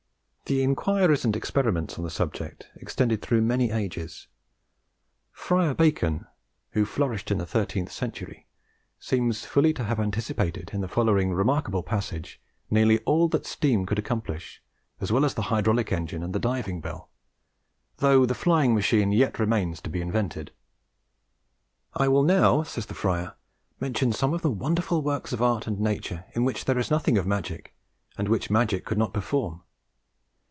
The inquiries and experiments on the subject extended through many ages. Friar Bacon, who flourished in the thirteenth century, seems fully to have anticipated, in the following remarkable passage, nearly all that steam could accomplish, as well as the hydraulic engine and the diving bell, though the flying machine yet remains to be invented: "I will now," says the Friar, "mention some of the wonderful works of art and nature in which there is nothing of magic, and which magic could not perform.